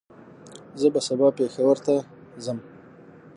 زه به سبا پېښور ته ځم